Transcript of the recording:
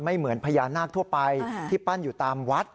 เหมือนพญานาคทั่วไปที่ปั้นอยู่ตามวัด